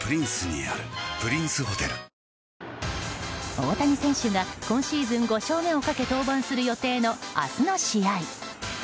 大谷選手が今シーズン５勝目をかけ登板する予定の明日の試合。